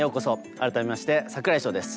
改めまして櫻井翔です。